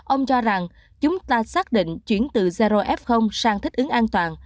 ông cho rằng chúng ta xác định chuyển từ zero f sang thích ứng an toàn